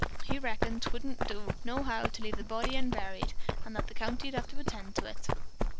He reckoned 'twouldn't do, no how, to leave the body unburied, and that the county'd have to tend to it."